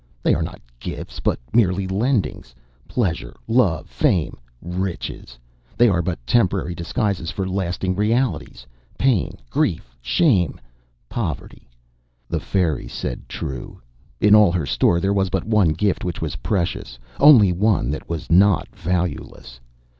They are not gifts, but merely lendings. Pleasure, Love, Fame, Riches: they are but temporary disguises for lasting realities Pain, Grief, Shame, Poverty. The fairy said true; in all her store there was but one gift which was precious, only one that was not valueless.